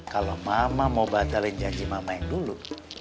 kalau mama mau batalin janji mama yang dulu